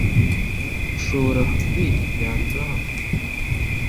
Urashobora kuduha ikiganza hano?